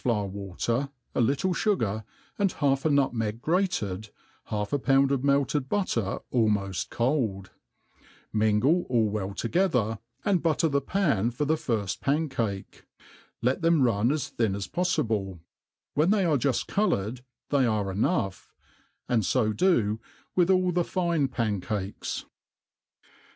good i66 THE ART OF COOKERY and half a nutmeg grated, half a pound of melted butter almof]^ cold ; mingle all well together, and butter the pan fpr the firfl^ pancake; let them run as thin as poflxble; when they are ju(^ coloured they ^re enough ; and fo do With all the fine pancakes.